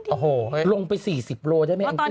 โอ้โหลงไป๔๐กิโลเมตรได้ไหมแองซี่